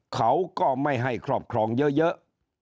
เขาก็ไม่ให้ครอบครองเยอะ